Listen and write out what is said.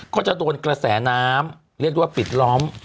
ก็จะโดนกระแสน้ำเรียกได้ว่าปิดล้อม